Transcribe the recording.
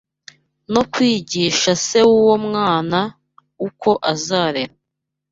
no kwigisha se w’uwo mwana uko azarera